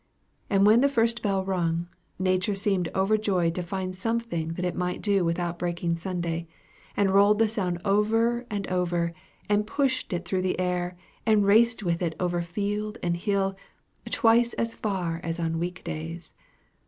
And when the first bell rung, Nature seemed overjoyed to find something that it might do without breaking Sunday, and rolled the sound over and over, and pushed it through the air, and raced with it over field and hill, twice as far as on week days.